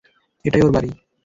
এটাই ওর বাড়ি।